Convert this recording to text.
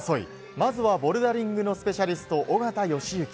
まずはボルダリングのスペシャリスト、緒方良行。